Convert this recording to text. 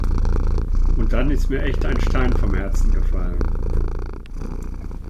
Und dann ist mir echt ein Stein vom Herzen gefallen.